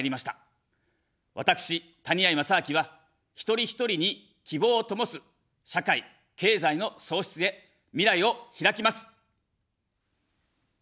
私、谷あい正明は、一人ひとりに希望を灯す社会・経済の創出へ、未来をひらきます。